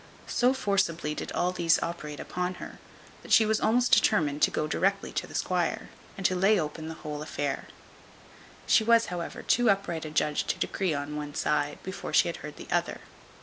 So forcibly did all these operate upon her, that she was almost determined to go directly to the squire, and to lay open the whole affair. She was, however, too upright a judge to decree on one side, before she had heard the other.